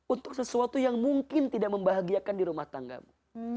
untuk sesuatu yang mungkin tidak membahagiakan dirumah tanggamu